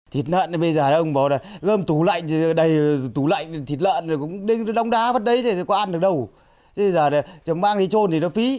thịt lợn bây giờ ông bảo là gom tủ lạnh thì đầy tủ lạnh thịt lợn cũng đông đá vẫn đấy thì có ăn được đâu chứ bây giờ chẳng mang đi trôn thì nó phí